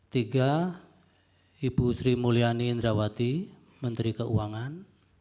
tiga ibu sri mulyani indrawati menteri keuangan